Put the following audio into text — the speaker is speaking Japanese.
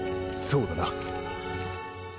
そうだな。